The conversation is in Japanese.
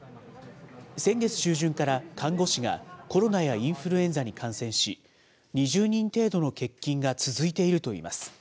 先月中旬から、看護師がコロナやインフルエンザに感染し、２０人程度の欠勤が続いているといいます。